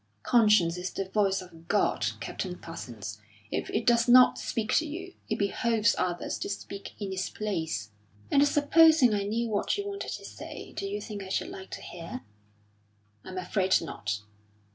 Conscience is the voice of God, Captain Parsons; if it does not speak to you, it behoves others to speak in its place." "And supposing I knew what you wanted to say, do you think I should like to hear?" "I'm afraid not."